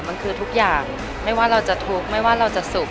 มันคือทุกอย่างไม่ว่าเราจะทุกข์ไม่ว่าเราจะสุข